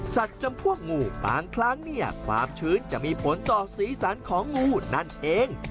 จำพวกงูบางครั้งเนี่ยความชื้นจะมีผลต่อสีสันของงูนั่นเอง